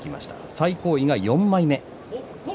最高位は４枚目。